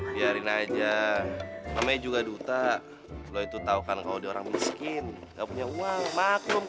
biarin aja namanya juga duta lo itu tahu kan kalau diorang miskin nggak punya uang maklum